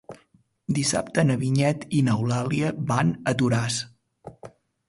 Dissabte na Vinyet i n'Eulàlia van a Toràs.